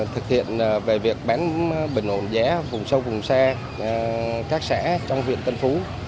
thực hiện về việc bán bình ổn giá vùng sâu vùng xa các xã trong huyện tân phú